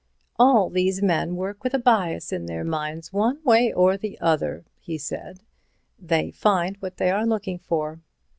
"All these men work with a bias in their minds, one way or other," he said; "they find what they are looking for."